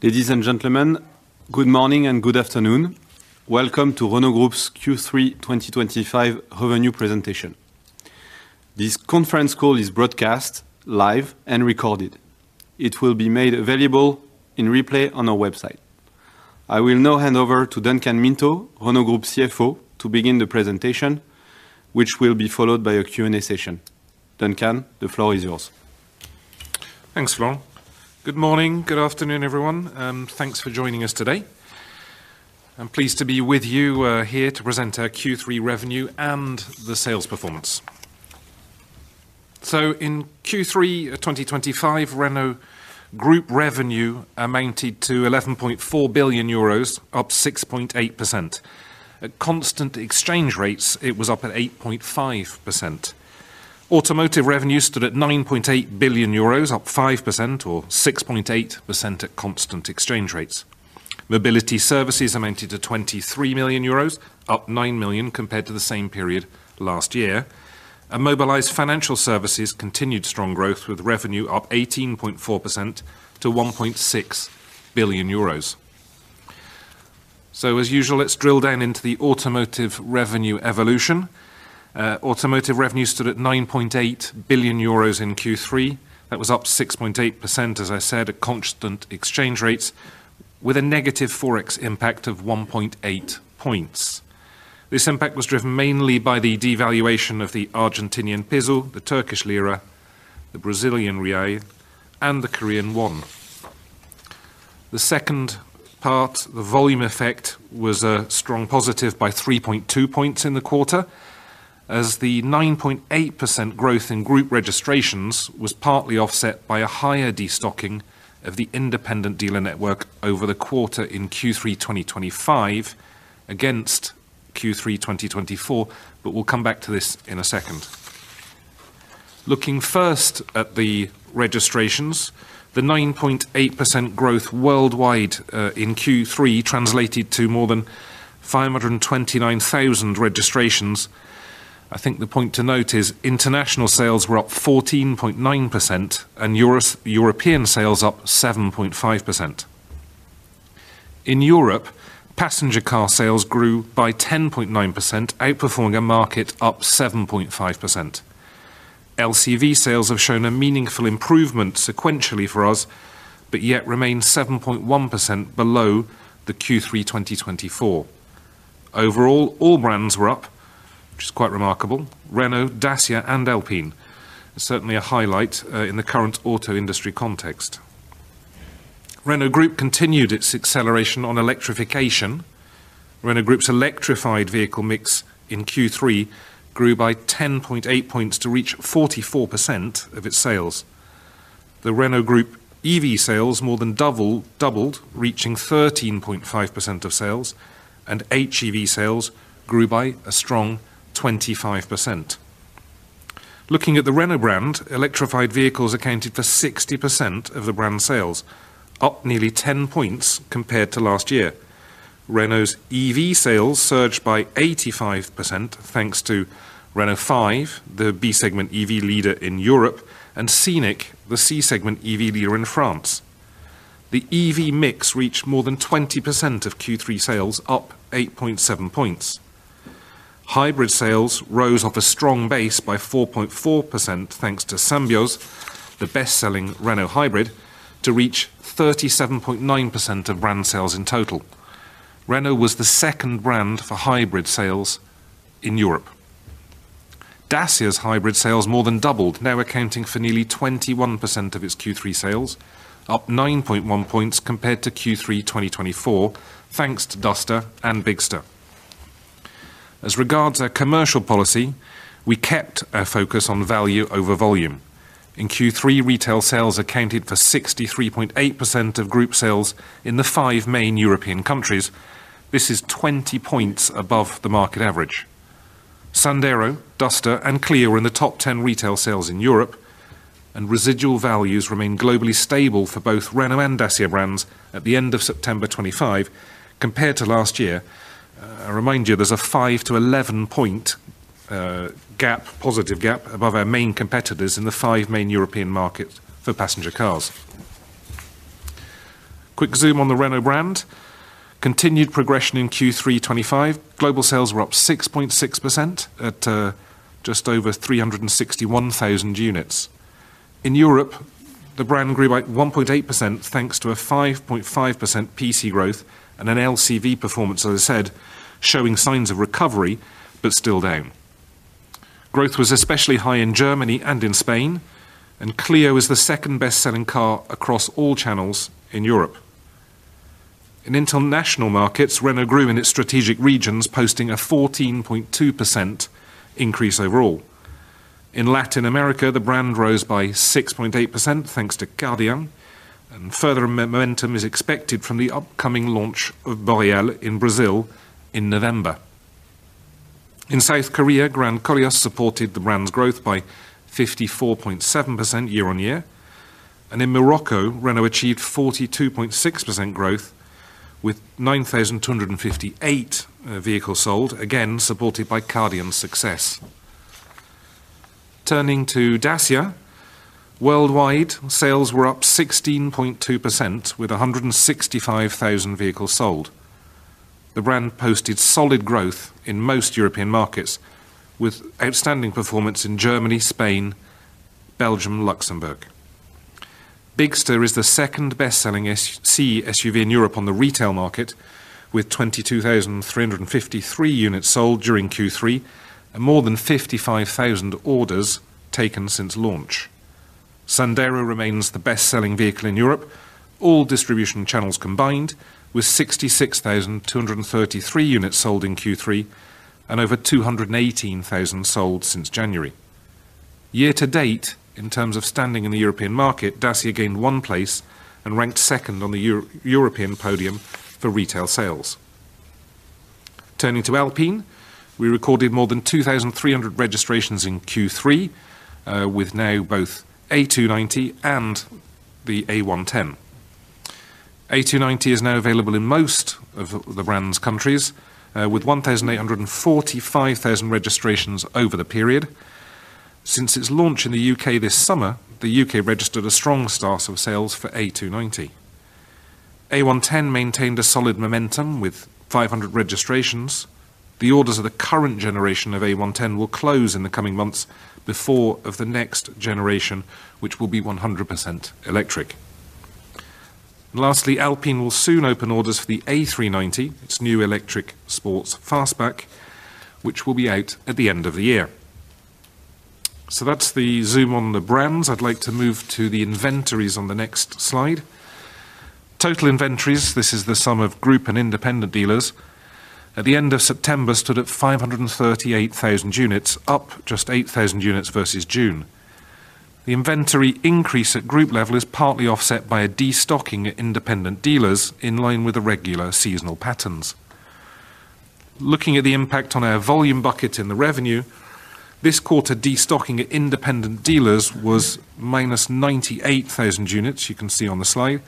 Ladies and gentlemen, good morning and good afternoon. Welcome to Renault Group's Q3 2025 revenue presentation. This conference call is broadcast live and recorded. It will be made available in replay on our website. I will now hand over to Duncan Minto, Renault Group CFO, to begin the presentation, which will be followed by a Q&A session. Duncan, the floor is yours. Thanks, Laurent. Good morning, good afternoon, everyone. Thanks for joining us today. I'm pleased to be with you here to present our Q3 revenue and the sales performance. In Q3 2025, Renault Group revenue amounted to 11.4 billion euros, up 6.8%. At constant exchange rates, it was up 8.5%. Automotive revenue stood at 9.8 billion euros, up 5%, or 6.8% at constant exchange rates. Mobility services amounted to 23 million euros, up 9 million compared to the same period last year. Mobilized Financial Services continued strong growth, with revenue up 18.4% to 1.6 billion euros. As usual, let's drill down into the automotive revenue evolution. Automotive revenue stood at 9.8 billion euros in Q3. That was up 6.8%, as I said, at constant exchange rates, with a negative forex impact of 1.8 points. This impact was driven mainly by the devaluation of the Argentinian peso, the Turkish lira, the Brazilian real, and the Korean won. The second part, the volume effect, was a strong positive by 3.2 points in the quarter, as the 9.8% growth in group registrations was partly offset by a higher destocking of the independent dealer network over the quarter in Q3 2025 against Q3 2024. We'll come back to this in a second. Looking first at the registrations, the 9.8% growth worldwide in Q3 translated to more than 529,000 registrations. I think the point to note is international sales were up 14.9% and European sales up 7.5%. In Europe, passenger car sales grew by 10.9%, outperforming a market up 7.5%. LCV sales have shown a meaningful improvement sequentially for us, yet remain 7.1% below Q3 2024. Overall, all brands were up, which is quite remarkable. Renault, Dacia, and Alpine are certainly a highlight in the current auto industry context. Renault Group continued its acceleration on electrification. Renault Group's electrified vehicle mix in Q3 grew by 10.8 points to reach 44% of its sales. The Renault Group EV sales more than doubled, reaching 13.5% of sales, and HEV sales grew by a strong 25%. Looking at the Renault brand, electrified vehicles accounted for 60% of the brand sales, up nearly 10 points compared to last year. Renault's EV sales surged by 85% thanks to Renault 5, the B-segment EV leader in Europe, and Scenic, the C-segment EV leader in France. The EV mix reached more than 20% of Q3 sales, up 8.7 points. Hybrid sales rose off a strong base by 4.4% thanks to Symbioz, the best-selling Renault hybrid, to reach 37.9% of brand sales in total. Renault was the second brand for hybrid sales in Europe. Dacia's hybrid sales more than doubled, now accounting for nearly 21% of its Q3 sales, up 9.1 points compared to Q3 2024, thanks to Duster and Bigster. As regards our commercial policy, we kept our focus on value over volume. In Q3, retail sales accounted for 63.8% of group sales in the five main European countries. This is 20 points above the market average. Sandero, Duster, and Clio are in the top 10 retail sales in Europe, and residual values remain globally stable for both Renault and Dacia brands at the end of September 2025, compared to last year. I remind you, there's a 5 point-11 point positive gap above our main competitors in the five main European markets for passenger cars. Quick zoom on the Renault brand. Continued progression in Q3 2025. Global sales were up 6.6% at just over 361,000 units. In Europe, the brand grew by 1.8% thanks to a 5.5% PC growth and an LCV performance, as I said, showing signs of recovery, but still down. Growth was especially high in Germany and in Spain, and Clio was the second best-selling car across all channels in Europe. In international markets, Renault grew in its strategic regions, posting a 14.2% increase overall. In Latin America, the brand rose by 6.8% thanks to Kardian, and further momentum is expected from the upcoming launch of Renault Boréal in Brazil in November. In South Korea, Grand Koleos supported the brand's growth by 54.7% year-on-year, and in Morocco, Renault achieved 42.6% growth with 9,258 vehicles sold, again supported by Kardian success. Turning to Dacia, worldwide, sales were up 16.2% with 165,000 vehicles sold. The brand posted solid growth in most European markets, with outstanding performance in Germany, Spain, Belgium, and Luxembourg. Bigster is the second best-selling SUV in Europe on the retail market, with 22,353 units sold during Q3 and more than 55,000 orders taken since launch. Sandero remains the best-selling vehicle in Europe, all distribution channels combined, with 66,233 units sold in Q3 and over 218,000 sold since January. Year to date, in terms of standing in the European market, Dacia gained one place and ranked second on the European podium for retail sales. Turning to Alpine, we recorded more than 2,300 registrations in Q3, with now both A290 and the A110. A290 is now available in most of the brand's countries, with 1,845 registrations over the period. Since its launch in the U.K. this summer, the U.K. registered a strong start of sales for A290. A110 maintained a solid momentum with 500 registrations. The orders of the current generation of A110 will close in the coming months before the next generation, which will be 100% electric. Lastly, Alpine will soon open orders for the A390, its new electric sports fastback, which will be out at the end of the year. That's the zoom on the brands. I'd like to move to the inventories on the next slide. Total inventories, this is the sum of group and independent dealers, at the end of September stood at 538,000 units, up just 8,000 units versus June. The inventory increase at group level is partly offset by a destocking at independent dealers in line with the regular seasonal patterns. Looking at the impact on our volume bucket in the revenue, this quarter destocking at independent dealers was -98,000 units, you can see on the slide,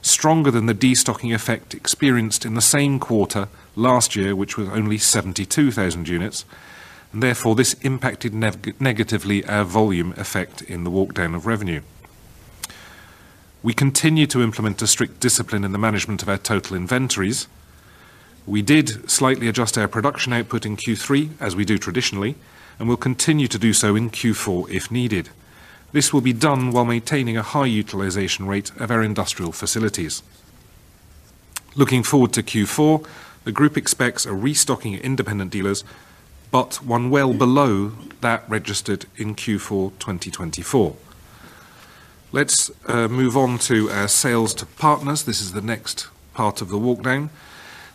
stronger than the destocking effect experienced in the same quarter last year, which was only 72,000 units, and therefore this impacted negatively our volume effect in the walkdown of revenue. We continue to implement a strict discipline in the management of our total inventories. We did slightly adjust our production output in Q3, as we do traditionally, and will continue to do so in Q4 if needed. This will be done while maintaining a high utilization rate of our industrial facilities. Looking forward to Q4, the group expects a restocking at independent dealers, but one well below that registered in Q4 2024. Let's move on to our sales to partners. This is the next part of the walkdown.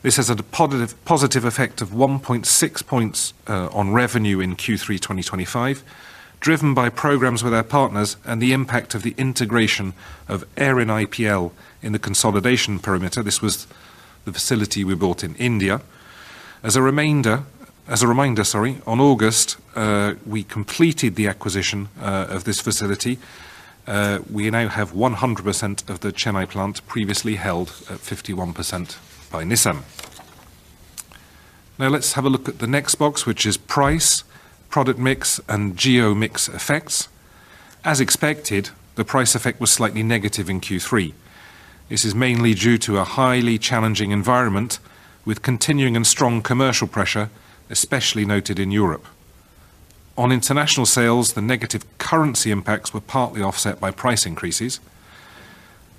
This has a positive effect of 1.6 points on revenue in Q3 2025, driven by programs with our partners and the impact of the integration of RNAIPL in the consolidation perimeter. This was the facility we bought in India. As a reminder, in August, we completed the acquisition of this facility. We now have 100% of the Chennai plant, previously held at 51% by Nissan. Now let's have a look at the next box, which is price, product mix, and geo mix effects. As expected, the price effect was slightly negative in Q3. This is mainly due to a highly challenging environment, with continuing and strong commercial pressure, especially noted in Europe. On international sales, the negative currency impacts were partly offset by price increases,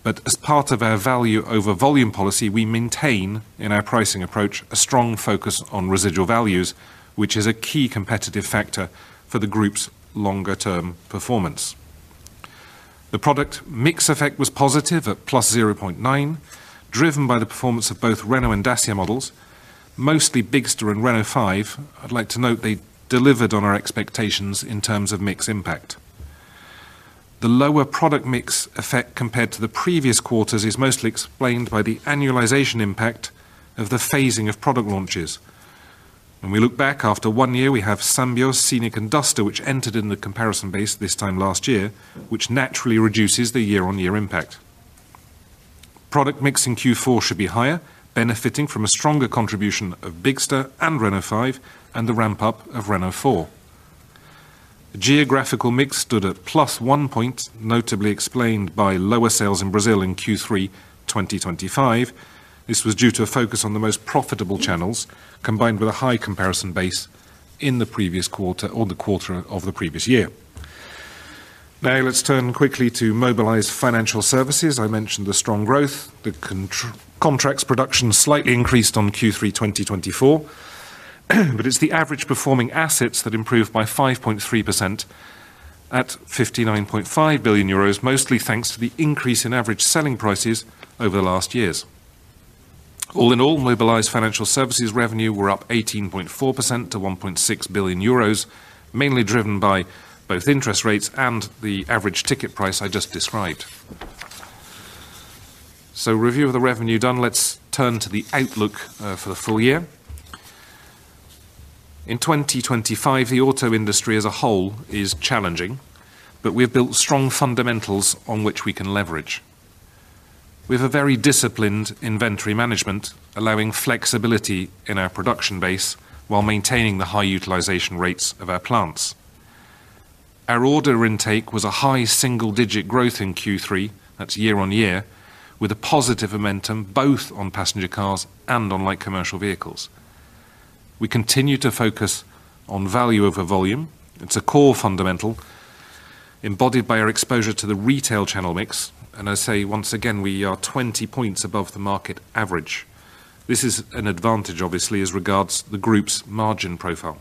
but as part of our value over volume policy, we maintain in our pricing approach a strong focus on residual values, which is a key competitive factor for the group's longer-term performance. The product mix effect was positive at +0.9, driven by the performance of both Renault and Dacia models, mostly Bigster and Renault 5. I'd like to note they delivered on our expectations in terms of mix impact. The lower product mix effect compared to the previous quarters is mostly explained by the annualization impact of the phasing of product launches. When we look back after one year, we have Symbioz, Scenic and Duster, which entered in the comparison base this time last year, which naturally reduces the year-on-year impact. Product mix in Q4 should be higher, benefiting from a stronger contribution of Bigster and Renault 5 and the ramp-up of Renault 4. Geographical mix stood at +1 point, notably explained by lower sales in Brazil in Q3 2025. This was due to a focus on the most profitable channels, combined with a high comparison base in the previous quarter or the quarter of the previous year. Now let's turn quickly to Mobilize Financial Services. I mentioned the strong growth, the contracts production slightly increased on Q3 2024, but it's the average performing assets that improved by 5.3% at 59.5 billion euros, mostly thanks to the increase in average selling prices over the last years. All in all, Mobilize Financial Services revenue were up 18.4% to 1.6 billion euros, mainly driven by both interest rates and the average ticket price I just described. Review of the revenue done, let's turn to the outlook for the full year. In 2025, the auto industry as a whole is challenging, but we have built strong fundamentals on which we can leverage. We have a very disciplined inventory management, allowing flexibility in our production base while maintaining the high utilization rates of our plants. Our order intake was a high single-digit growth in Q3, that's year-on-year, with a positive momentum both on passenger cars and on light commercial vehicles. We continue to focus on value over volume. It's a core fundamental embodied by our exposure to the retail channel mix, and I say once again we are 20 points above the market average. This is an advantage, obviously, as regards the group's margin profile.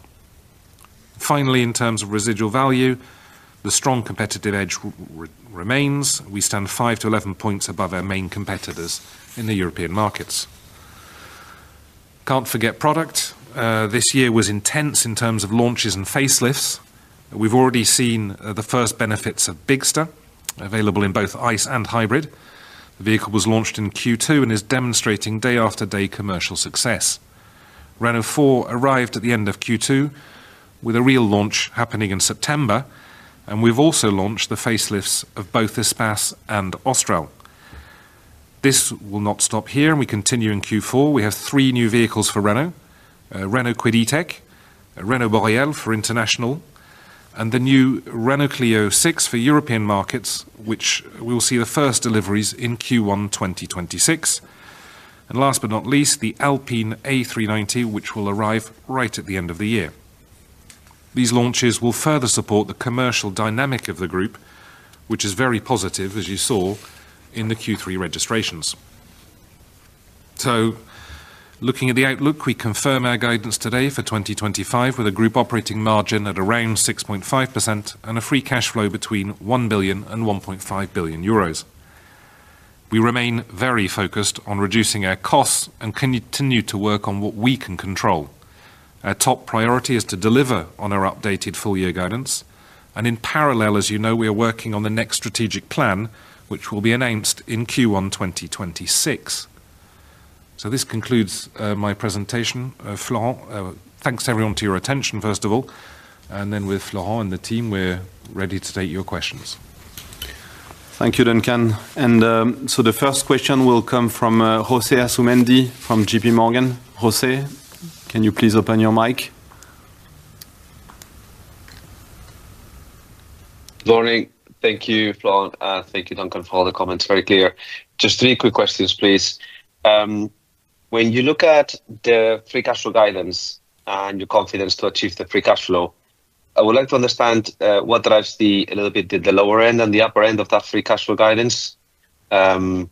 Finally, in terms of residual value, the strong competitive edge remains. We stand 5 points-11 points above our main competitors in the European markets. Can't forget product. This year was intense in terms of launches and facelifts. We've already seen the first benefits of Bigster, available in both ICE and hybrid. The vehicle was launched in Q2 and is demonstrating day-after-day commercial success. Renault 4 arrived at the end of Q2 with a real launch happening in September, and we've also launched the facelifts of both Espace and Austral. This will not stop here, and we continue in Q4. We have three new vehicles for Renault: Renault Kwid E-Tech, Renault Boréal for international, and the new Renault Clio 6 for European markets, which we will see the first deliveries in Q1 2026. Last but not least, the Alpine A390, which will arrive right at the end of the year. These launches will further support the commercial dynamic of the group, which is very positive, as you saw in the Q3 registrations. Looking at the outlook, we confirm our guidance today for 2025 with a group operating margin at around 6.5% and a free cash flow between 1 billion and 1.5 billion euros. We remain very focused on reducing our costs and continue to work on what we can control. Our top priority is to deliver on our updated full-year guidance, and in parallel, as you know, we are working on the next strategic plan, which will be announced in Q1 2026. This concludes my presentation. Florent, thanks everyone for your attention, first of all, and then with Florent and the team, we're ready to take your questions. Thank you, Duncan. The first question will come from José Asunendi from JPMorgan. José, can you please open your mic? Good morning. Thank you, Florent, and thank you, Duncan, for all the comments. Very clear. Just three quick questions, please. When you look at the free cash flow guidance and your confidence to achieve the free cash flow, I would like to understand what drives a little bit the lower end and the upper end of that free cash flow guidance, and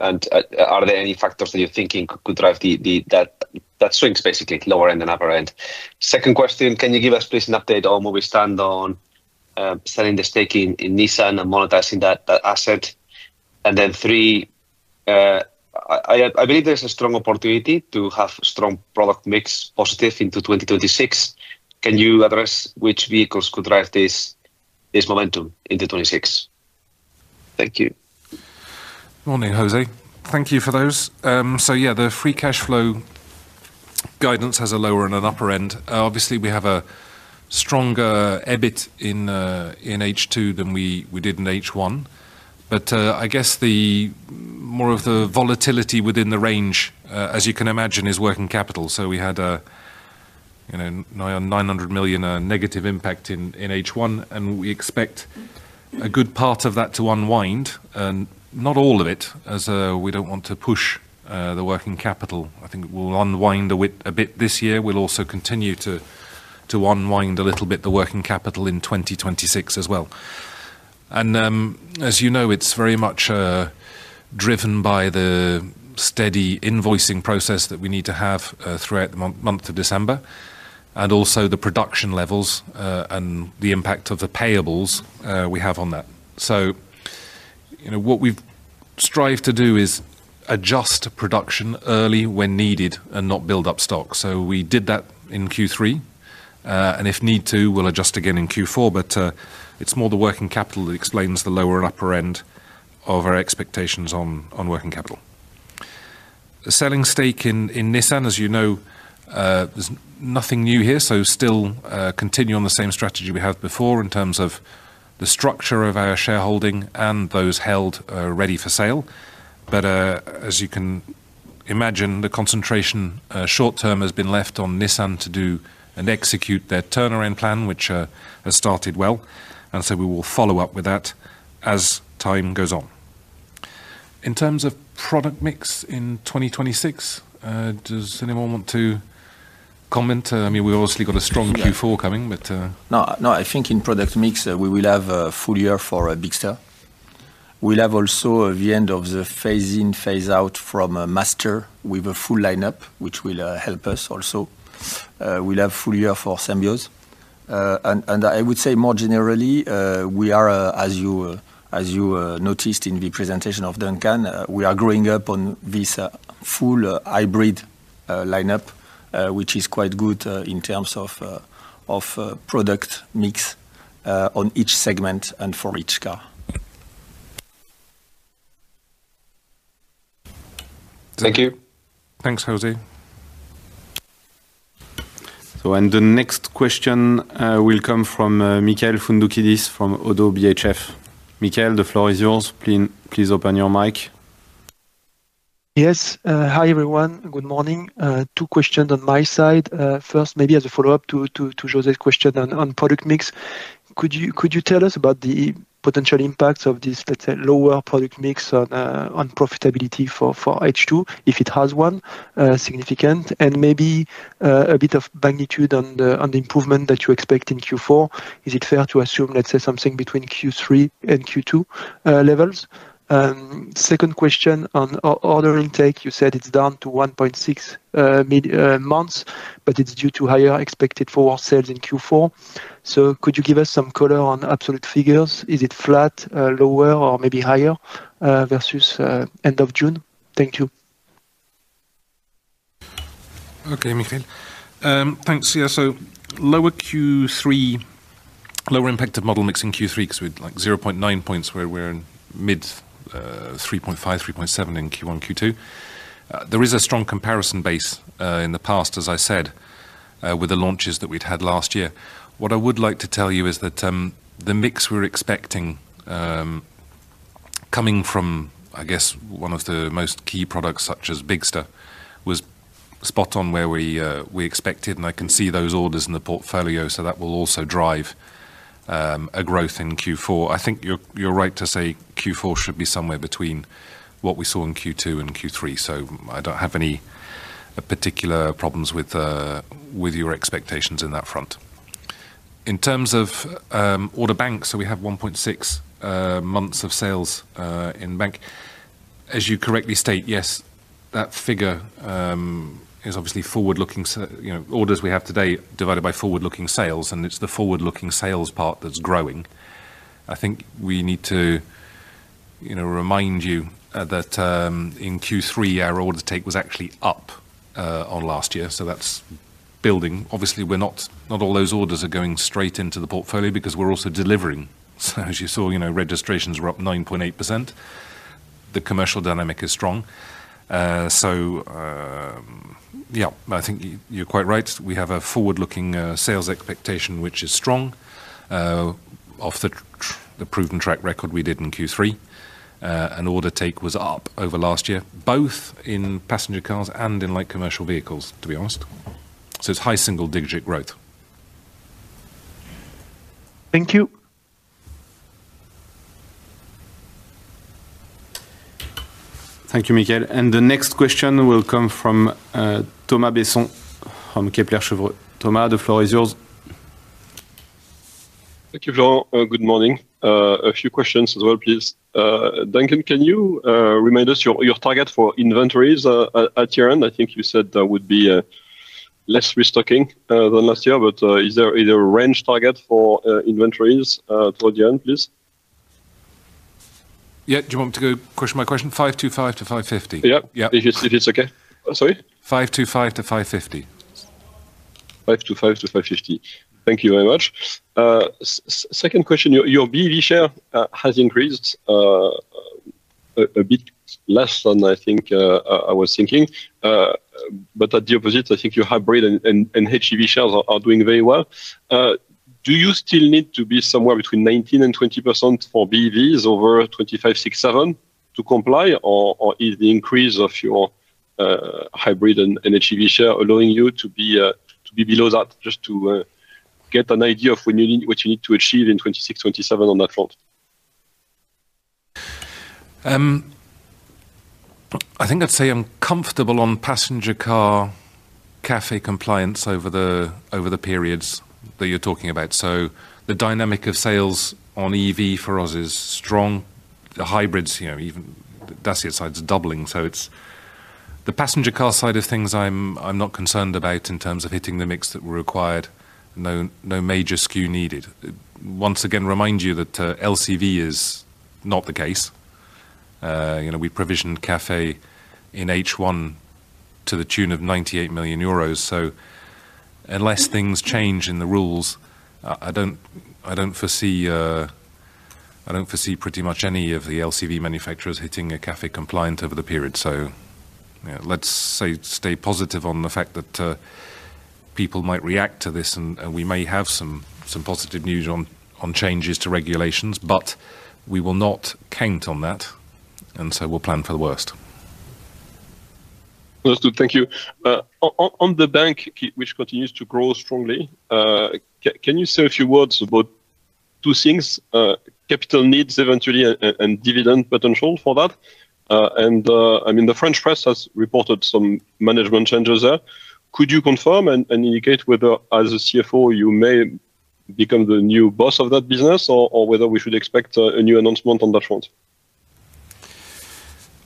are there any factors that you're thinking could drive that strength, basically, lower end and upper end? Second question, can you give us, please, an update on where we stand on selling the stake in Nissan and monetizing that asset? Then three, I believe there's a strong opportunity to have a strong product mix positive into 2026. Can you address which vehicles could drive this momentum into 2026? Thank you. Morning, José. Thank you for those. The free cash flow guidance has a lower and an upper end. Obviously, we have a stronger EBIT in H2 than we did in H1, but I guess more of the volatility within the range, as you can imagine, is working capital. We had a 900 million negative impact in H1, and we expect a good part of that to unwind, and not all of it, as we don't want to push the working capital. I think we'll unwind a bit this year. We'll also continue to unwind a little bit the working capital in 2026 as well. As you know, it's very much driven by the steady invoicing process that we need to have throughout the month of December, and also the production levels and the impact of the payables we have on that. What we've strived to do is adjust production early when needed and not build up stock. We did that in Q3, and if need to, we'll adjust again in Q4, but it's more the working capital that explains the lower and upper end of our expectations on working capital. Selling stake in Nissan, as you know, there's nothing new here, so still continue on the same strategy we had before in terms of the structure of our shareholding and those held ready for sale. As you can imagine, the concentration short term has been left on Nissan to do and execute their turnaround plan, which has started well, and we will follow up with that as time goes on. In terms of product mix in 2026, does anyone want to comment? I mean, we obviously got a strong Q4 coming, but... No, I think in product mix, we will have a full year for Bigster. We'll have also the end of the phase-in, phase-out from Master with a full lineup, which will help us also. We'll have a full year for Symbioz. I would say more generally, as you noticed in the presentation of Duncan, we are growing up on this full hybrid lineup, which is quite good in terms of product mix on each segment and for each car. Thank you. Thanks, José. The next question will come from Michael Foundoukidis from Oddo BHF. Michael, the floor is yours. Please open your mic. Yes, hi everyone. Good morning. Two questions on my side. First, maybe as a follow-up to José's question on product mix, could you tell us about the potential impacts of this, let's say, lower product mix on profitability for H2, if it has one significant, and maybe a bit of magnitude on the improvement that you expect in Q4? Is it fair to assume, let's say, something between Q3 and Q2 levels? Second question on order intake, you said it's down to 1.6 million months, but it's due to higher expected forward sales in Q4. Could you give us some color on absolute figures? Is it flat, lower, or maybe higher versus end of June? Thank you. Okay, Michael. Thanks. Yeah, so lower Q3, lower impact of model mix in Q3 because we're like 0.9 points, where we were in mid 3.5, 3.7 in Q1 and Q2. There is a strong comparison base in the past, as I said, with the launches that we'd had last year. What I would like to tell you is that the mix we're expecting coming from, I guess, one of the most key products such as Bigster was spot on where we expected, and I can see those orders in the portfolio, so that will also drive a growth in Q4. I think you're right to say Q4 should be somewhere between what we saw in Q2 and Q3, so I don't have any particular problems with your expectations in that front. In terms of order banks, we have 1.6 months of sales in bank. As you correctly state, yes, that figure is obviously forward-looking. Orders we have today divided by forward-looking sales, and it's the forward-looking sales part that's growing. I think we need to remind you that in Q3, our order stake was actually up on last year, so that's building. Obviously, not all those orders are going straight into the portfolio because we're also delivering. As you saw, registrations were up 9.8%. The commercial dynamic is strong. I think you're quite right. We have a forward-looking sales expectation, which is strong off the proven track record we did in Q3. An order take was up over last year, both in passenger cars and in light commercial vehicles, to be honest. It's high single-digit growth. Thank you. Thank you, Michael. The next question will come from Thomas Besson from Kepler Cheuvreux. Thomas, the floor is yours. Thank you, Florent. Good morning. A few questions as well, please. Duncan, can you remind us your target for inventories at the end? I think you said that would be less restocking than last year, but is there a range target for inventories toward the end, please? Yeah, do you want me to go question by question? 525 to 550. Yeah, if it's okay. Sorry? 525 to 550. 525 to 550. Thank you very much. Second question, your BEV share has increased a bit less than I think I was thinking, but at the opposite, I think your hybrid and HEV shares are doing very well. Do you still need to be somewhere between 19% and 20% for BEVs over 2025, 2026, 2027 to comply, or is the increase of your hybrid and HEV share allowing you to be below that? Just to get an idea of what you need to achieve in 2026, 2027 on that front. I think I'd say I'm comfortable on passenger car CAFE compliance over the periods that you're talking about. The dynamic of sales on EV for us is strong. The hybrids, you know, even the Dacia side is doubling. It's the passenger car side of things I'm not concerned about in terms of hitting the mix that we're required. No major skew needed. Once again, remind you that LCV is not the case. We provision CAFE in H1 to the tune of 98 million euros. Unless things change in the rules, I don't foresee pretty much any of the LCV manufacturers hitting a CAFE compliant over the period. Let's stay positive on the fact that people might react to this and we may have some positive news on changes to regulations, but we will not count on that and we'll plan for the worst. That's good. Thank you. On the bank, which continues to grow strongly, can you say a few words about two things? Capital needs eventually and dividend potential for that. The French press has reported some management changes there. Could you confirm and indicate whether, as CFO, you may become the new boss of that business or whether we should expect a new announcement on that front?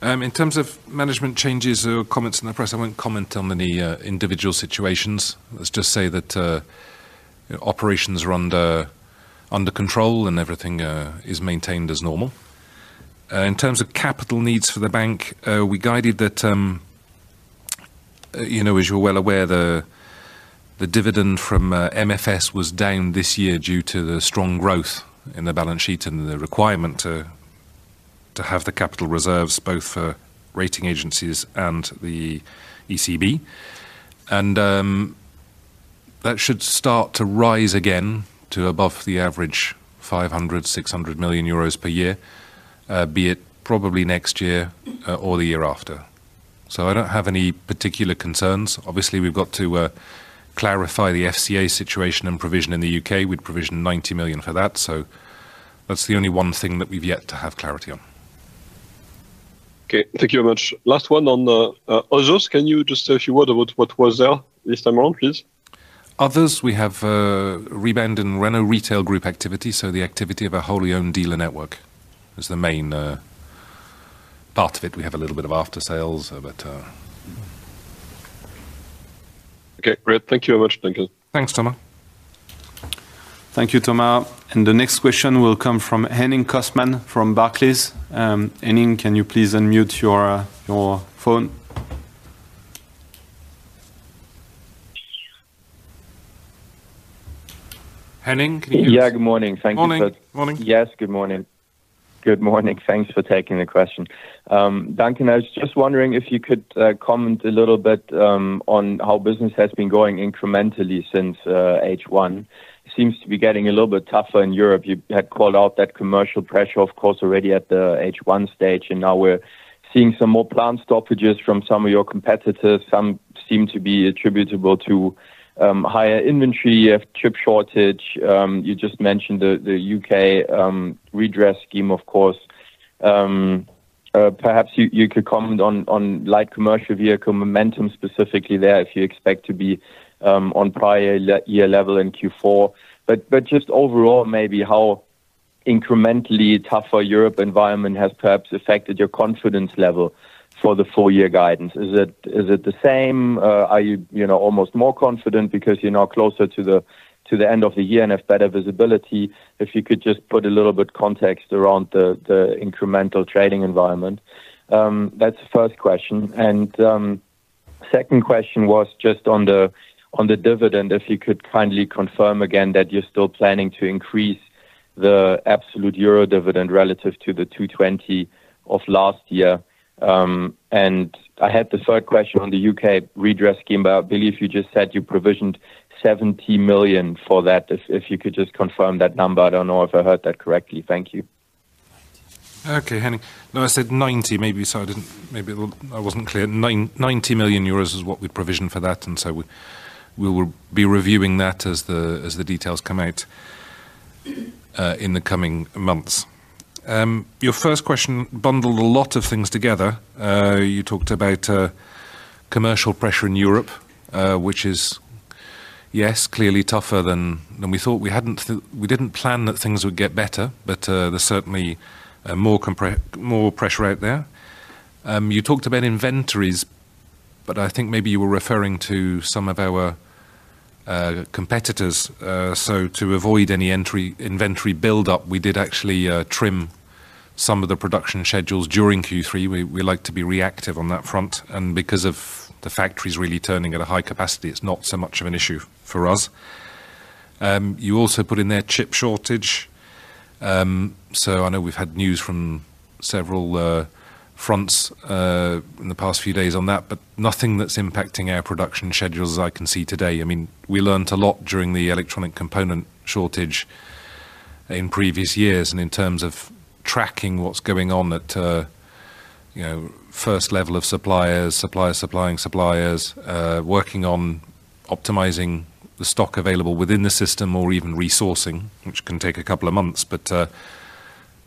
In terms of management changes or comments in the press, I won't comment on any individual situations. Let's just say that operations are under control and everything is maintained as normal. In terms of capital needs for the bank, we guided that, as you're well aware, the dividend from MFS was down this year due to the strong growth in the balance sheet and the requirement to have the capital reserves both for rating agencies and the ECB, and that should start to rise again to above the average 500 million euros, 600 million euros per year, be it probably next year or the year after. I don't have any particular concerns. Obviously, we've got to clarify the FCA situation and provision in the U.K. We'd provisioned 90 million for that. That's the only one thing that we've yet to have clarity on. Okay, thank you very much. Last one on others. Can you just say a few words about what was there this time around, please? We have a rebound in Renault Group retail activity, so the activity of our wholly owned dealer network is the main part of it. We have a little bit of after-sales, but... Okay, great. Thank you very much, Duncan. Thanks, Thomas. Thank you, Thomas. The next question will come from Henning Cosman from Barclays. Henning, can you please unmute your phone? Henning? Good morning. Thank you. Morning. Yes, good morning. Good morning. Thanks for taking the question. Duncan, I was just wondering if you could comment a little bit on how business has been going incrementally since H1. It seems to be getting a little bit tougher in Europe. You had called out that commercial pressure, of course, already at the H1 stage, and now we're seeing some more plant stoppages from some of your competitors. Some seem to be attributable to higher inventory, you have chip shortage. You just mentioned the U.K. redress scheme, of course. Perhaps you could comment on light commercial vehicle momentum specifically there if you expect to be on prior year level in Q4. Just overall, maybe how incrementally tougher Europe environment has perhaps affected your confidence level for the full-year guidance. Is it the same? Are you almost more confident because you're now closer to the end of the year and have better visibility? If you could just put a little bit of context around the incremental trading environment. That's the first question. The second question was just on the dividend. If you could kindly confirm again that you're still planning to increase the absolute euro dividend relative to the 2.20 of last year. I had the third question on the U.K. redress scheme, but I believe you just said you provisioned 70 million for that. If you could just confirm that number. I don't know if I heard that correctly. Thank you. Okay, Henning. No, I said 90 million, maybe I wasn't clear. 90 million euros is what we provisioned for that, and we will be reviewing that as the details come out in the coming months. Your first question bundled a lot of things together. You talked about commercial pressure in Europe, which is, yes, clearly tougher than we thought. We didn't plan that things would get better, but there's certainly more pressure out there. You talked about inventories, but I think maybe you were referring to some of our competitors. To avoid any inventory buildup, we did actually trim some of the production schedules during Q3. We like to be reactive on that front, and because of the factories really turning at a high capacity, it's not so much of an issue for us. You also put in there chip shortage. I know we've had news from several fronts in the past few days on that, but nothing that's impacting our production schedules as I can see today. We learned a lot during the electronic component shortage in previous years, and in terms of tracking what's going on at the first level of suppliers, suppliers supplying suppliers, working on optimizing the stock available within the system or even resourcing, which can take a couple of months, but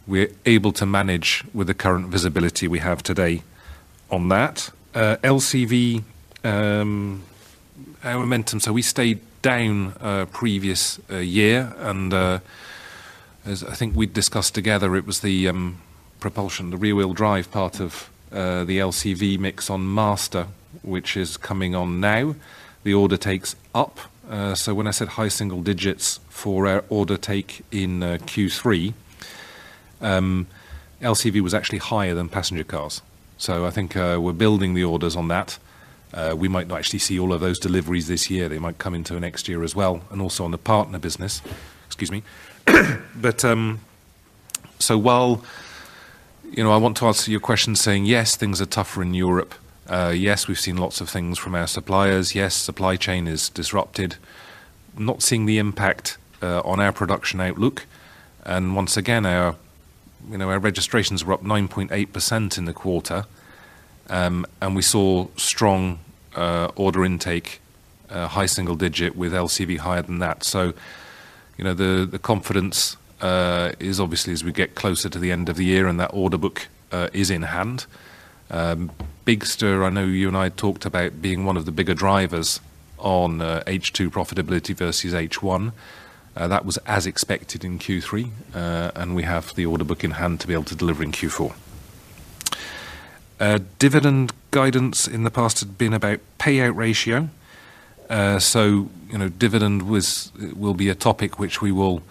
we're able to manage with the current visibility we have today on that. LCV, our momentum, we stayed down previous year, and as I think we discussed together, it was the propulsion, the rear-wheel drive part of the LCV mix on Master, which is coming on now. The order takes up. When I said high single digits for our order take in Q3, LCV was actually higher than passenger cars. I think we're building the orders on that. We might not actually see all of those deliveries this year. They might come into next year as well, and also on the partner business. Excuse me. While I want to answer your question saying yes, things are tougher in Europe, yes, we've seen lots of things from our suppliers, yes, supply chain is disrupted, not seeing the impact on our production outlook, and once again, our registrations were up 9.8% in the quarter, and we saw strong order intake, high single digit with LCV higher than that. The confidence is obviously as we get closer to the end of the year and that order book is in hand. Bigster, I know you and I talked about being one of the bigger drivers on H2 profitability versus H1. That was as expected in Q3, and we have the order book in hand to be able to deliver in Q4. Dividend guidance in the past had been about payout ratio. Dividend will be a topic which we will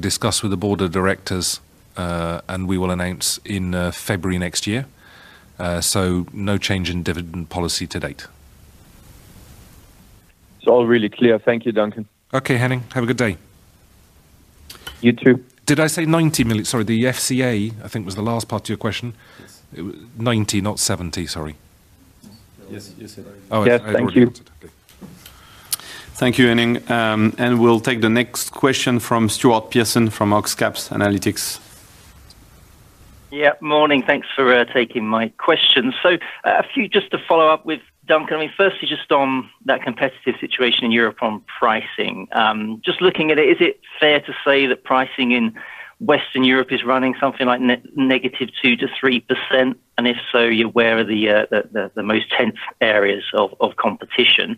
discuss with the board of directors, and we will announce in February next year. No change in dividend policy to date. It's all really clear. Thank you, Duncan. Okay, Henning. Have a good day. You too. Did I say 90 million? Sorry, the FCA, I think was the last part of your question. Yes. 90 million, not 70 million. Sorry. Yes, yes, yes. Okay. Thank you. Thank you, Henning. We'll take the next question from Stuart Pearson from Oxcap Analytics. Yeah, morning. Thanks for taking my question. A few just to follow up with Duncan. Firstly, just on that competitive situation in Europe on pricing. Looking at it, is it fair to say that pricing in Western Europe is running something like -2 to 3%? If so, where are the most tense areas of competition?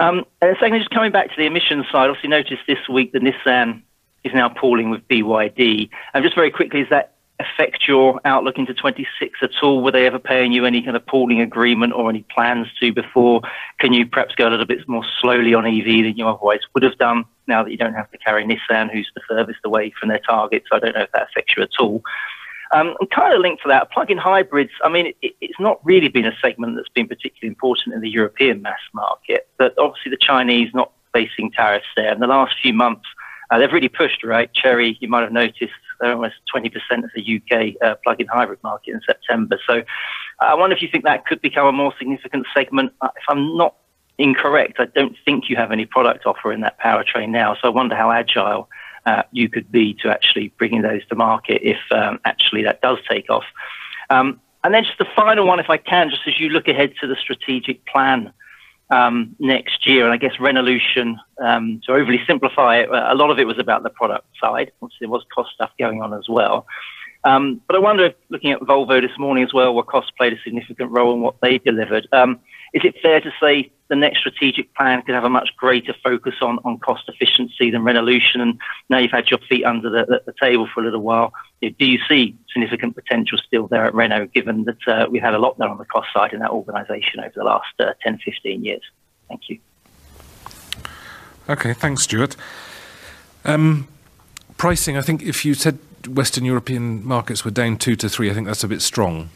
Secondly, just coming back to the emissions side, obviously noticed this week that Nissan is now pooling with BYD. Very quickly, does that affect your outlook into 2026 at all? Were they ever paying you any kind of pooling agreement or any plans to before? Can you perhaps go a little bit more slowly on EV than you otherwise would have done now that you don't have to carry Nissan, who's the furthest away from their targets? I don't know if that affects you at all. Kind of linked to that, plug-in hybrids, it's not really been a segment that's been particularly important in the European mass market, but obviously the Chinese not facing tariffs there. In the last few months, they've really pushed, right? Chery, you might have noticed, they're almost 20% of the U.K. plug-in hybrid market in September. I wonder if you think that could become a more significant segment. If I'm not incorrect, I don't think you have any product offer in that powertrain now. I wonder how agile you could be to actually bringing those to market if that does take off. Just the final one, as you look ahead to the strategic plan next year, and I guess Renaulution, to overly simplify it, a lot of it was about the product side. Obviously, there was cost stuff going on as well. I wonder if looking at Volvo this morning as well, where cost played a significant role in what they delivered, is it fair to say the next strategic plan could have a much greater focus on cost efficiency than Renaulution? Now you've had your feet under the table for a little while. Do you see significant potential still there at Renault, given that we've had a lot done on the cost side in our organization over the last 10, 15 years? Thank you. Okay, thanks, Stuart. Pricing, I think if you said Western European markets were down 2%-3%, I think that's a bit strong.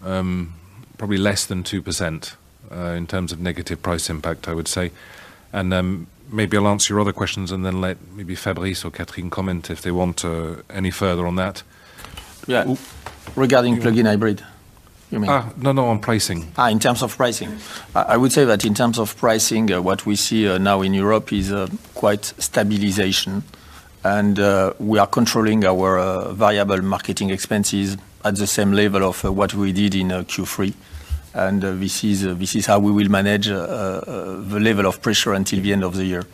Probably less than 2% in terms of negative price impact, I would say. Maybe I'll answer your other questions and then let maybe Fabrice or Catherine comment if they want any further on that. Yeah, regarding plug-in hybrid, you mean? No, no, on pricing. In terms of pricing, I would say that in terms of pricing, what we see now in Europe is quite stabilization, and we are controlling our variable marketing expenses at the same level of what we did in Q3. This is how we will manage the level of pressure until the end of the year.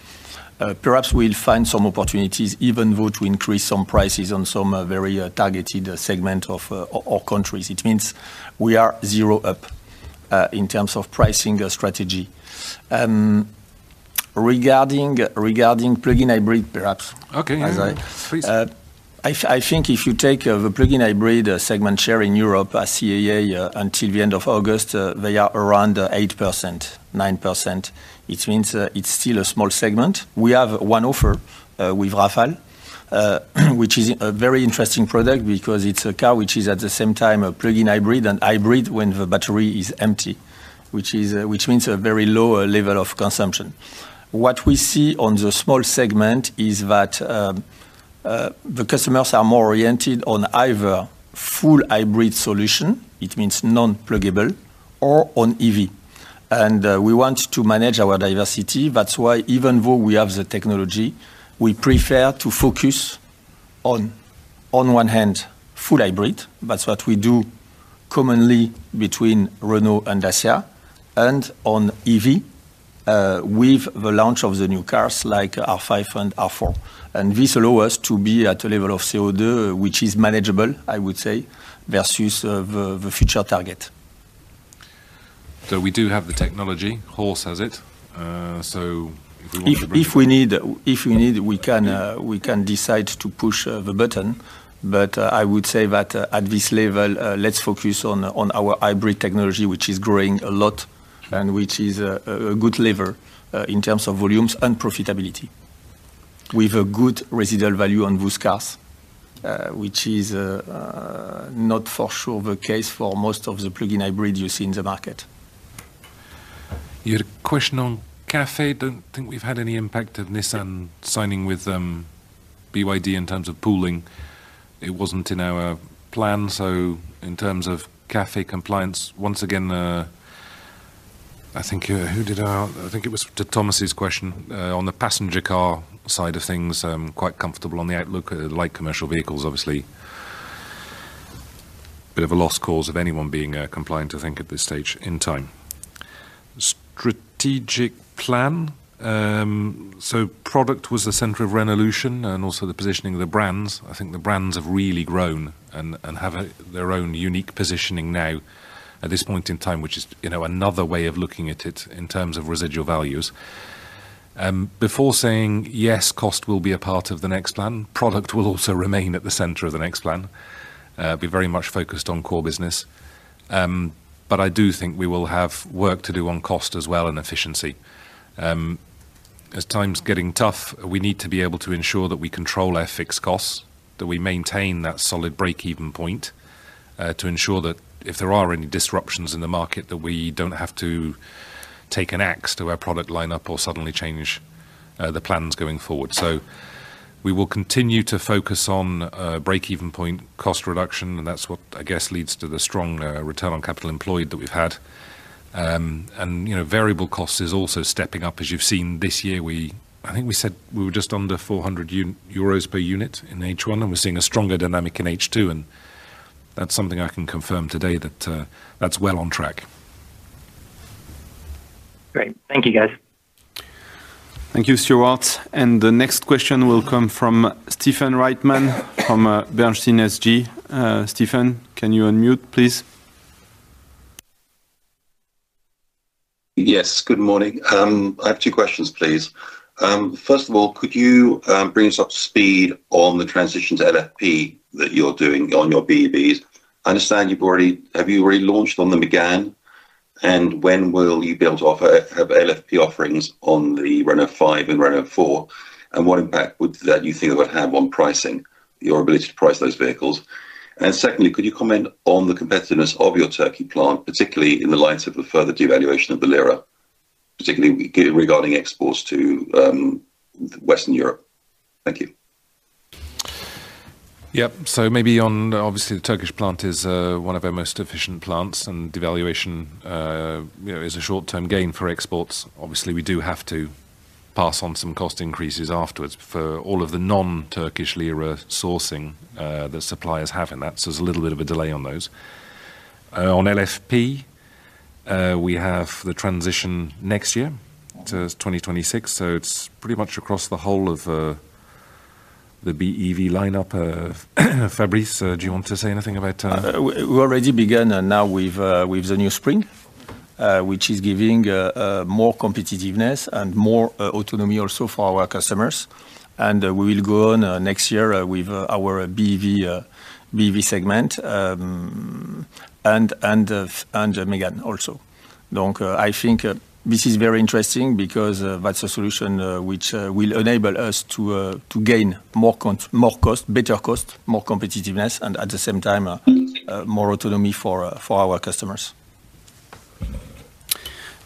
Perhaps we'll find some opportunities, even though to increase some prices on some very targeted segments of our countries. It means we are zero up in terms of pricing strategy. Regarding plug-in hybrid, perhaps. Okay, yeah, please. I think if you take the plug-in hybrid segment share in Europe, CAA, until the end of August, they are around 8%, 9%. It means it's still a small segment. We have one offer with Rafale, which is a very interesting product because it's a car which is at the same time a plug-in hybrid and hybrid when the battery is empty, which means a very low level of consumption. What we see on the small segment is that the customers are more oriented on either a full hybrid solution, it means non-pluggable, or on EV. We want to manage our diversity. That's why, even though we have the technology, we prefer to focus on, on one hand, full hybrid. That's what we do commonly between Renault and Dacia, and on EV with the launch of the new cars like R5 and R4. This allows us to be at a level of CO2, which is manageable, I would say, versus the future target. We do have the technology. Horse has it. If we want to... If we need, we can decide to push the button, but I would say that at this level, let's focus on our hybrid technology, which is growing a lot and which is a good lever in terms of volumes and profitability. We have a good residual value on boost cars, which is not for sure the case for most of the plug-in hybrids you see in the market. Your question on CAFE, I don't think we've had any impact of Nissan signing with BYD in terms of pooling. It wasn't in our plan. In terms of CAFE compliance, once again, I think it was Thomas's question on the passenger car side of things, quite comfortable on the outlook of light commercial vehicles, obviously. A bit of a lost cause of anyone being compliant, I think, at this stage in time. Strategic plan. Product was the center of Renaulution and also the positioning of the brands. I think the brands have really grown and have their own unique positioning now at this point in time, which is another way of looking at it in terms of residual values. Before saying yes, cost will be a part of the next plan, product will also remain at the center of the next plan. We're very much focused on core business. I do think we will have work to do on cost as well and efficiency. As time's getting tough, we need to be able to ensure that we control our fixed costs, that we maintain that solid break-even point to ensure that if there are any disruptions in the market, we don't have to take an axe to our product lineup or suddenly change the plans going forward. We will continue to focus on break-even point cost reduction, and that's what I guess leads to the strong return on capital employed that we've had. Variable costs are also stepping up, as you've seen this year. I think we said we were just under 400 euros per unit in H1, and we're seeing a stronger dynamic in H2, and that's something I can confirm today that that's well on track. Great. Thank you, guys. Thank you, Stuart. The next question will come from Stephen Reitman from Bernstein SG. Stephen, can you unmute, please? Yes, good morning. I have two questions, please. First of all, could you bring us up to speed on the transition to LFP that you're doing on your BEVs? I understand you've already, have you already launched on them again? When will you build off LFP offerings on the Renault 5 and Renault 4? What impact do you think it would have on pricing, your ability to price those vehicles? Secondly, could you comment on the competitiveness of your Turkey plant, particularly in the light of the further devaluation of the lira, particularly regarding exports to Western Europe? Thank you. Yep, so maybe on obviously the Turkish plant is one of our most efficient plants, and devaluation is a short-term gain for exports. We do have to pass on some cost increases afterwards for all of the non-Turkish lira sourcing that suppliers have, and that's a little bit of a delay on those. On LFP, we have the transition next year to 2026, so it's pretty much across the whole of the BEV lineup. Fabrice, do you want to say anything about...? We already began now with the new Spring, which is giving more competitiveness and more autonomy also for our customers. We will go on next year with our BEV segment and Mégane also. I think this is very interesting because that's a solution which will enable us to gain more cost, better cost, more competitiveness, and at the same time, more autonomy for our customers.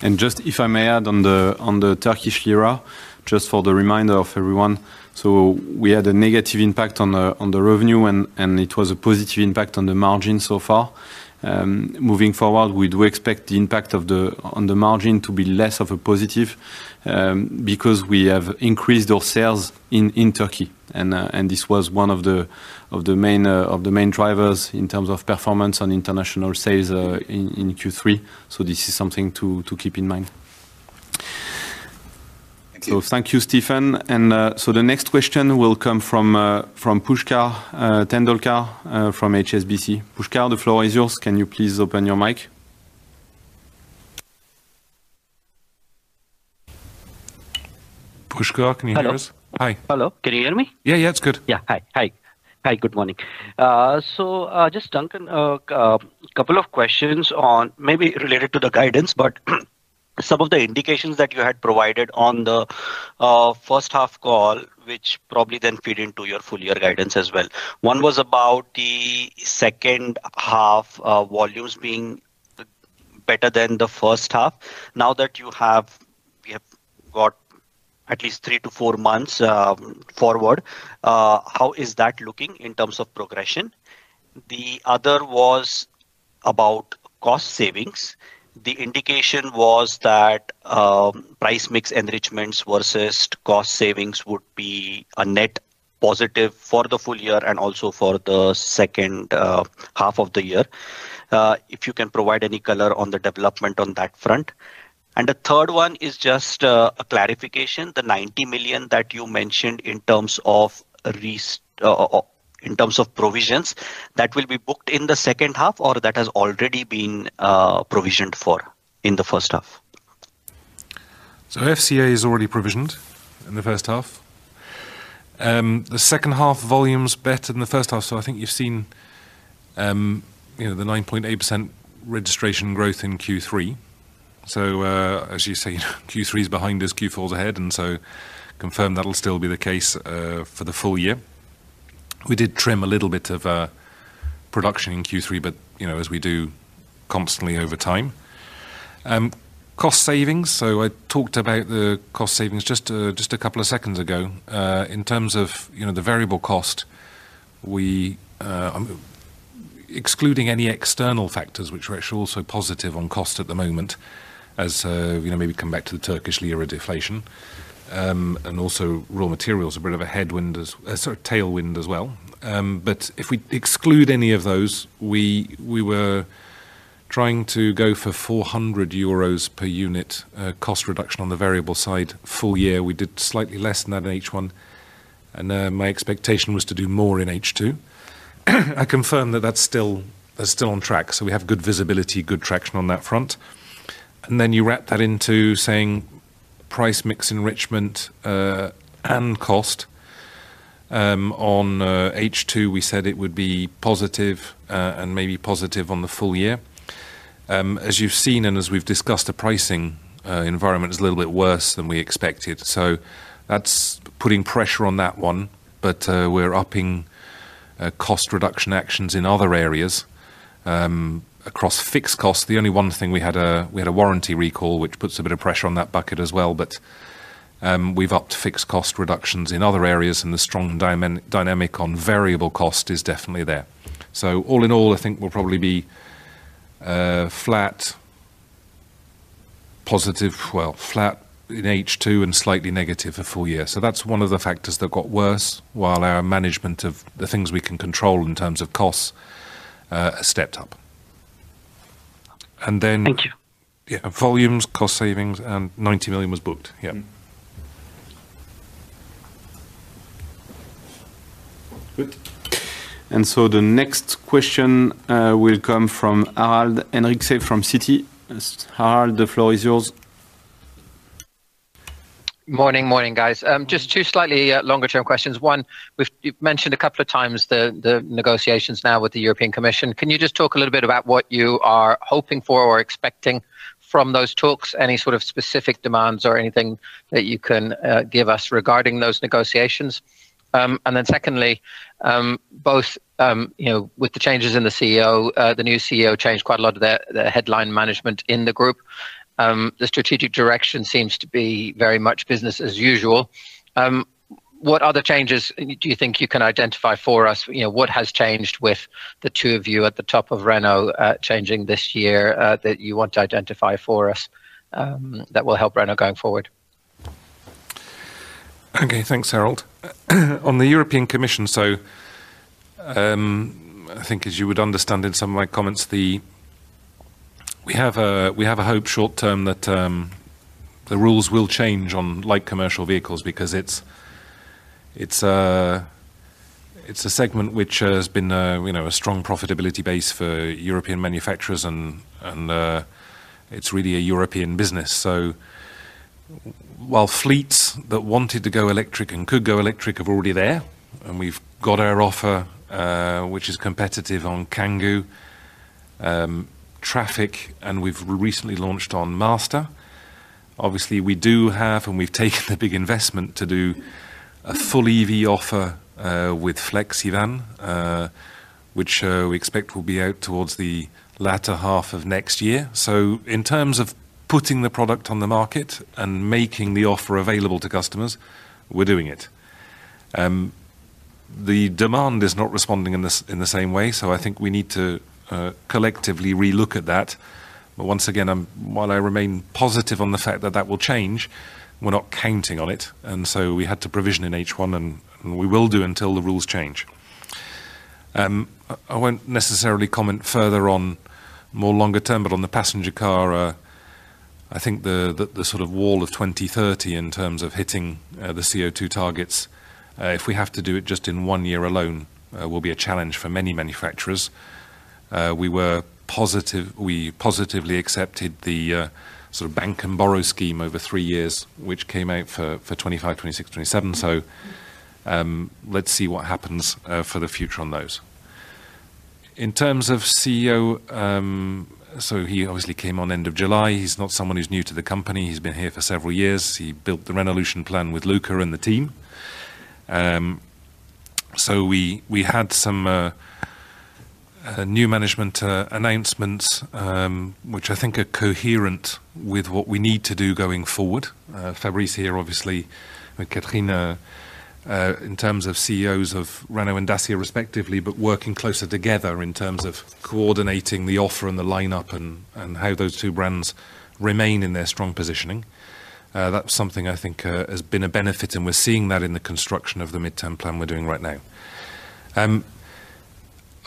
If I may add on the Turkish lira, just for the reminder of everyone, we had a negative impact on the revenue, and it was a positive impact on the margin so far. Moving forward, we do expect the impact on the margin to be less of a positive because we have increased our sales in Turkey, and this was one of the main drivers in terms of performance on international sales in Q3. This is something to keep in mind. Thank you, Stephen. The next question will come from Pushkar Tendulkar from HSBC. Pushkar, the floor is yours. Can you please open your mic? Pushkar, can you hear us? Hi. Hi. Hello, can you hear me? Yeah, it's good. Hi, good morning. Duncan, a couple of questions maybe related to the guidance, but some of the indications that you had provided on the first half call, which probably then feed into your full year guidance as well. One was about the second half volumes being better than the first half. Now that we have got at least three to four months forward, how is that looking in terms of progression? The other was about cost savings. The indication was that price mix enrichments versus cost savings would be a net positive for the full year and also for the second half of the year. If you can provide any color on the development on that front. The third one is just a clarification. The 90 million that you mentioned in terms of provisions, that will be booked in the second half or that has already been provisioned for in the first half? FCA is already provisioned in the first half. The second half volumes are better than the first half. I think you've seen the 9.8% registration growth in Q3. Q3 is behind us, Q4 is ahead, and confirm that'll still be the case for the full year. We did trim a little bit of production in Q3, as we do constantly over time. Cost savings, I talked about the cost savings just a couple of seconds ago. In terms of the variable cost, excluding any external factors, which are also positive on cost at the moment, maybe come back to the Turkish lira deflation, and also raw materials, a bit of a headwind, a sort of tailwind as well. If we exclude any of those, we were trying to go for 400 euros per unit cost reduction on the variable side full year. We did slightly less than that in H1, and my expectation was to do more in H2. I confirm that that's still on track. We have good visibility, good traction on that front. Then you wrap that into saying price mix enrichment and cost. On H2, we said it would be positive and maybe positive on the full year. As you've seen and as we've discussed, the pricing environment is a little bit worse than we expected. That's putting pressure on that one, but we're upping cost reduction actions in other areas across fixed costs. The only one thing, we had a warranty recall, which puts a bit of pressure on that bucket as well, but we've upped fixed cost reductions in other areas, and the strong dynamic on variable cost is definitely there. All in all, I think we'll probably be flat, positive, flat in H2 and slightly negative for full year. That's one of the factors that got worse while our management of the things we can control in terms of costs stepped up. Thank you. Yeah, volumes, cost savings, and 90 million was booked. Yeah. Good. The next question will come from Harald Henriksen from Citi. Harald, the floor is yours. Morning, morning guys. Just two slightly longer-term questions. One, you've mentioned a couple of times the negotiations now with the European Commission. Can you just talk a little bit about what you are hoping for or expecting from those talks? Any sort of specific demands or anything that you can give us regarding those negotiations? Secondly, both with the changes in the CEO, the new CEO changed quite a lot of the headline management in the group. The strategic direction seems to be very much business as usual. What other changes do you think you can identify for us? What has changed with the two of you at the top of Renault changing this year that you want to identify for us that will help Renault going forward? Okay, thanks Harald. On the European Commission, I think as you would understand in some of my comments, we have a hope short term that the rules will change on light commercial vehicles because it's a segment which has been a strong profitability base for European manufacturers, and it's really a European business. While fleets that wanted to go electric and could go electric are already there, and we've got our offer, which is competitive on Kangoo, Trafic, and we've recently launched on Master. Obviously, we do have, and we've taken the big investment to do a full EV offer with Flexis, which we expect will be out towards the latter half of next year. In terms of putting the product on the market and making the offer available to customers, we're doing it. The demand is not responding in the same way, so I think we need to collectively relook at that. Once again, while I remain positive on the fact that that will change, we're not counting on it, and we had to provision in H1, and we will do until the rules change. I won't necessarily comment further on more longer term, but on the passenger car, I think the sort of wall of 2030 in terms of hitting the CO2 targets, if we have to do it just in one year alone, will be a challenge for many manufacturers. We positively accepted the sort of bank and borrow scheme over three years, which came out for 2025, 2026, 2027. Let's see what happens for the future on those. In terms of CEO, he obviously came on end of July. He's not someone who's new to the company. He's been here for several years. He built the Renaulution plan with Luca and the team. We had some new management announcements, which I think are coherent with what we need to do going forward. Fabrice here, obviously, with Catherine, in terms of CEOs of Renault and Dacia respectively, but working closer together in terms of coordinating the offer and the lineup and how those two brands remain in their strong positioning. That's something I think has been a benefit, and we're seeing that in the construction of the midterm plan we're doing right now.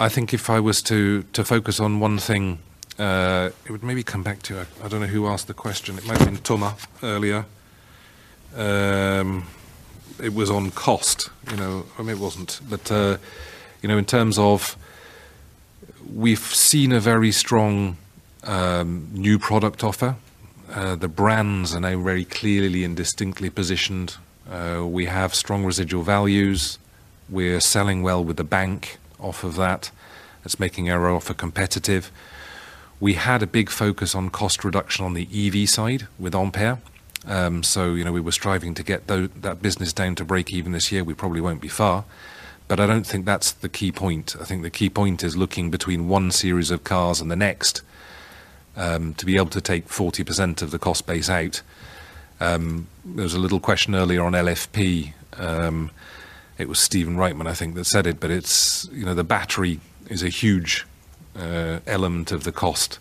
If I was to focus on one thing, it would maybe come back to, I don't know who asked the question. It might have been Thomas earlier. It was on cost. I mean, it wasn't. In terms of we've seen a very strong new product offer. The brands are now very clearly and distinctly positioned. We have strong residual values. We're selling well with the bank off of that. It's making our offer competitive. We had a big focus on cost reduction on the EV side with Ampere. We were striving to get that business down to break even this year. We probably won't be far. I don't think that's the key point. I think the key point is looking between one series of cars and the next to be able to take 40% of the cost base out. There was a little question earlier on LFP. It was Stephen Reitman, I think, that said it. The battery is a huge element of the cost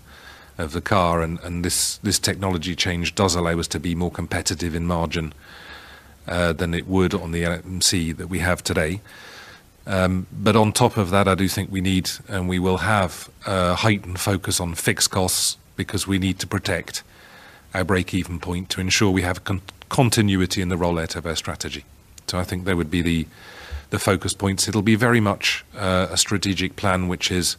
of the car, and this technology change does allow us to be more competitive in margin than it would on the NMC that we have today. On top of that, I do think we need, and we will have, a heightened focus on fixed costs because we need to protect our break-even point to ensure we have continuity in the rollout of our strategy. I think there would be the focus points. It'll be very much a strategic plan, which is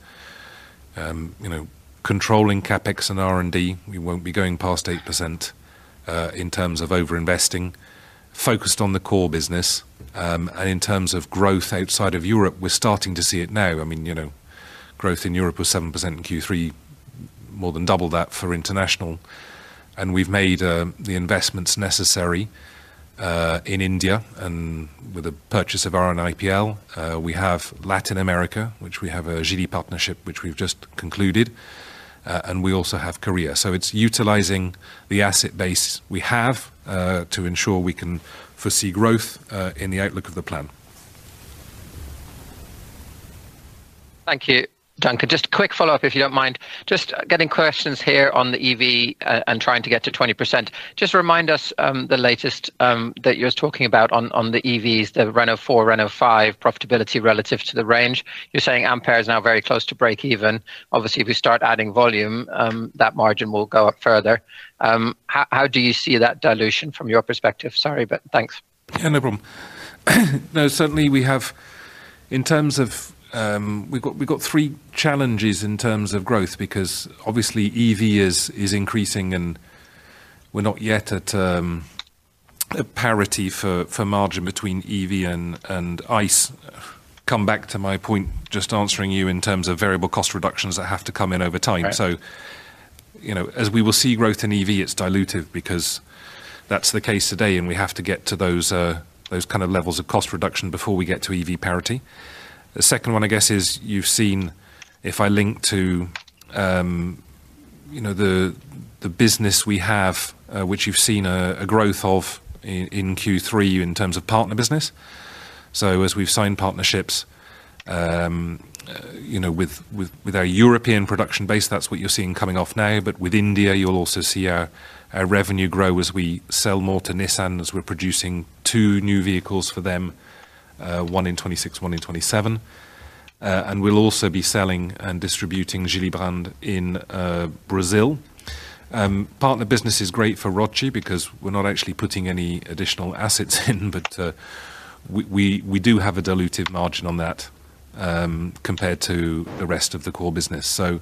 controlling CapEx and R&D. We won't be going past 8% in terms of overinvesting, focused on the core business. In terms of growth outside of Europe, we're starting to see it now. Growth in Europe was 7% in Q3, more than double that for international. We've made the investments necessary in India and with the purchase of our own IPL. We have Latin America, which we have a GD partnership, which we've just concluded. We also have Korea. It's utilizing the asset base we have to ensure we can foresee growth in the outlook of the plan. Thank you, Duncan. Just a quick follow-up, if you don't mind. Just getting questions here on the EV and trying to get to 20%. Just remind us the latest that you're talking about on the EVs, the Renault 4, Renault 5 profitability relative to the range. You're saying Ampere is now very close to break even. Obviously, if we start adding volume, that margin will go up further. How do you see that dilution from your perspective? Sorry, but thanks. Yeah, no problem. Certainly, we have, in terms of, we've got three challenges in terms of growth because obviously EV is increasing and we're not yet at a parity for margin between EV and ICE. Come back to my point, just answering you in terms of variable cost reductions that have to come in over time. As we will see growth in EV, it's dilutive because that's the case today and we have to get to those kind of levels of cost reduction before we get to EV parity. The second one, I guess, is you've seen, if I link to the business we have, which you've seen a growth of in Q3 in terms of partner business. As we've signed partnerships with our European production base, that's what you're seeing coming off now. With India, you'll also see our revenue grow as we sell more to Nissan, as we're producing two new vehicles for them, one in 2026, one in 2027. We'll also be selling and distributing Geely brand in Brazil. Partner business is great for Renault Group because we're not actually putting any additional assets in, but we do have a diluted margin on that compared to the rest of the core business. There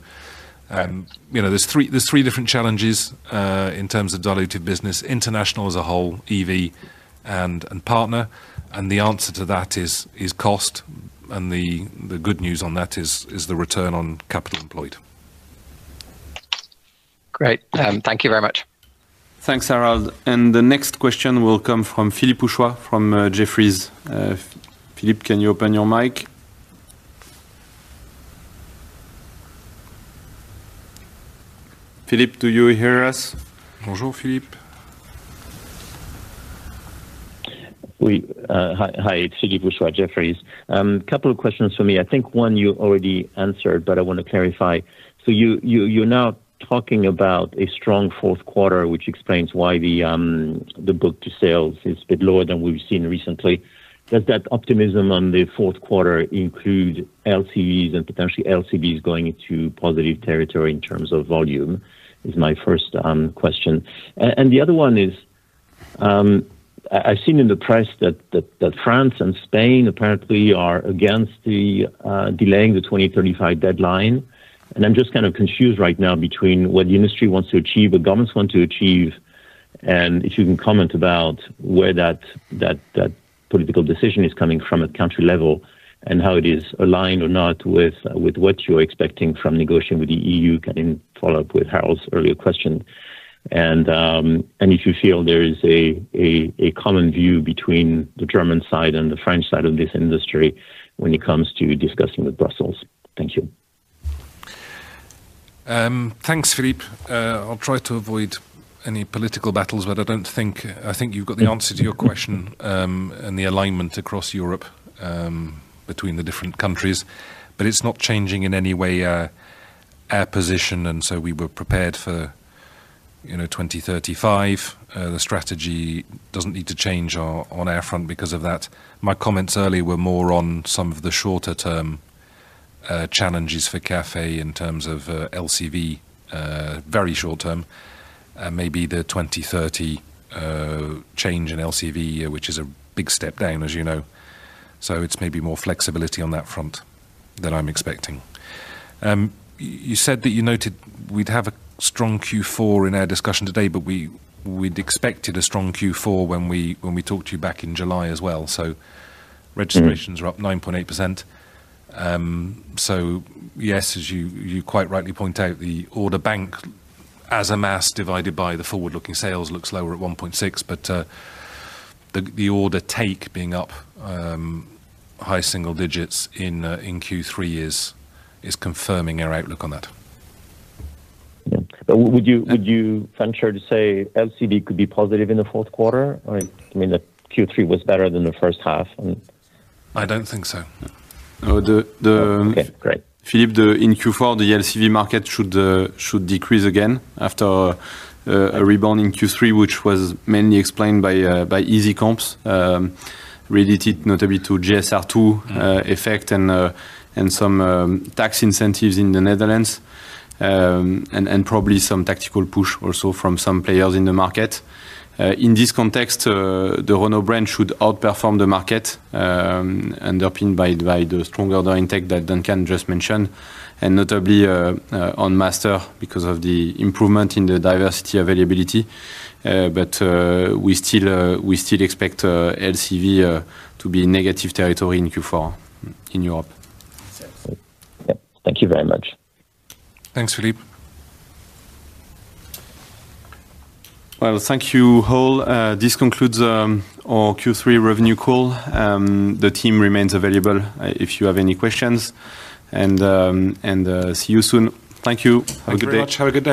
are three different challenges in terms of diluted business: international as a whole, EV, and partner. The answer to that is cost, and the good news on that is the return on capital employed. Great. Thank you very much. Thanks, Harald. The next question will come from Philippe Houchois from Jefferies. Philippe, can you open your mic? Philippe, do you hear us? Bonjour, Philippe. Hi, it's Philippe Houchois at Jefferies. A couple of questions for me. I think one you already answered, but I want to clarify. You're now talking about a strong fourth quarter, which explains why the book to sales is a bit lower than we've seen recently. Does that optimism on the fourth quarter include LCVs and potentially LCBs going into positive territory in terms of volume is my first question. The other one is, I've seen in the press that France and Spain apparently are against delaying the 2035 deadline. I'm just kind of confused right now between what the industry wants to achieve, what governments want to achieve, and if you can comment about where that political decision is coming from at country level and how it is aligned or not with what you're expecting from negotiating with the EU. In follow-up with Harald's earlier question, do you feel there is a common view between the German side and the French side of this industry when it comes to discussing with Brussels? Thank you. Thanks, Philippe. I'll try to avoid any political battles, but I think you've got the answer to your question and the alignment across Europe between the different countries. It's not changing in any way our position, and we were prepared for 2035. The strategy doesn't need to change on our front because of that. My comments earlier were more on some of the shorter-term challenges for CAFE in terms of LCV, very short-term. Maybe the 2030 change in LCV, which is a big step down, as you know. It's maybe more flexibility on that front than I'm expecting. You said that you noted we'd have a strong Q4 in our discussion today, but we'd expected a strong Q4 when we talked to you back in July as well. Registrations are up 9.8%. Yes, as you quite rightly point out, the order bank as a mass divided by the forward-looking sales looks lower at 1.6, but the order take being up high single digits in Q3 is confirming our outlook on that. Would you venture to say LCV could be positive in the fourth quarter? I mean, Q3 was better than the first half. I don't think so. Okay, great. Philippe, in Q4, the LCV market should decrease again after a rebound in Q3, which was mainly explained by EasyComps, related notably to GSR2 effect and some tax incentives in the Netherlands, and probably some tactical push also from some players in the market. In this context, the Renault brand should outperform the market, underpinned by the strong order intake that Duncan just mentioned, notably on Master because of the improvement in the diversity availability. We still expect LCV to be in negative territory in Q4 in Europe. Thank you very much. Thanks, Philippe. Thank you all. This concludes our Q3 revenue call. The team remains available if you have any questions, and see you soon. Thank you. Have a good day. Thank you very much.